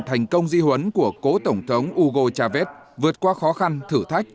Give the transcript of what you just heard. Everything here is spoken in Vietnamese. thành công di huấn của cố tổng thống ugo chávez vượt qua khó khăn thử thách